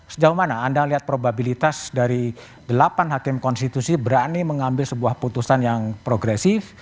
sejauh mana anda lihat probabilitas dari delapan hakim konstitusi berani mengambil sebuah putusan yang progresif